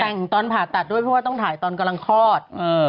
แต่งตอนผ่าตัดด้วยเพราะว่าต้องถ่ายตอนกำลังคลอด